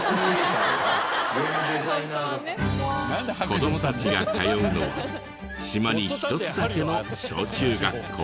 子供たちが通うのは島に一つだけの小中学校。